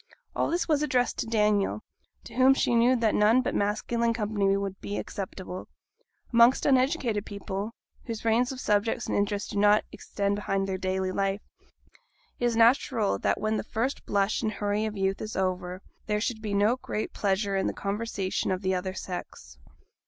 All this was addressed to Daniel, to whom she knew that none but masculine company would be acceptable. Amongst uneducated people whose range of subjects and interest do not extend beyond their daily life it is natural that when the first blush and hurry of youth is over, there should be no great pleasure in the conversation of the other sex.